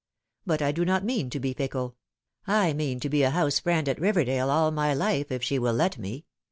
But I do not mean to be fickle ; I mean to be a house friend at Biverdale all my life if she will let me.